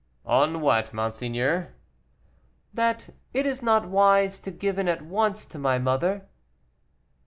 "On what, monseigneur?" "That it is not wise to give in at once to my mother."